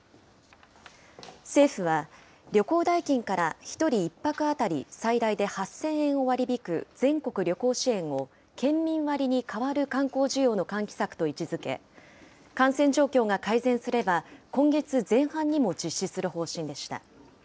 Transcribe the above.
政府は、旅行代金から１人１泊当たり最大で８０００円を割り引く全国旅行支援を、県民割に代わる観光需要の喚起策と位置づけ、感染状況が改善すれば、今月前半にも実施する方針でした。